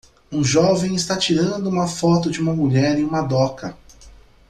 Um jovem está tirando uma foto de uma mulher em uma doca.